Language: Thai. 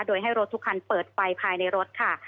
โดยให้รถทุกคันเปิดไฟภายในรถค่ะ